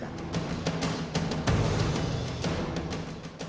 dan ini juga adalah kesalahan mereka